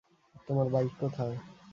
তোমার বাইক কোথায়?